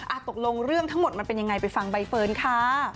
ตกลงเรื่องทั้งหมดมันเป็นยังไงไปฟังใบเฟิร์นค่ะ